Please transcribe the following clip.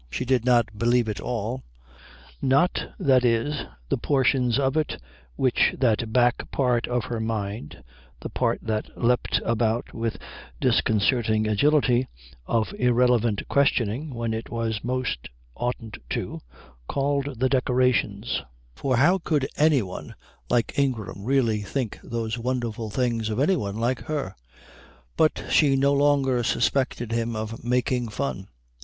She did not believe it all not, that is, the portions of it which that back part of her mind, the part that leapt about with disconcerting agility of irrelevant questioning when it most oughtn't to, called the decorations, for how could any one like Ingram really think those wonderful things of any one like her? but she no longer suspected him of making fun.